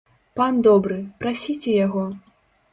Пан добры, прасіце яго!